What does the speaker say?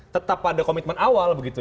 tetap pada komitmen awal begitu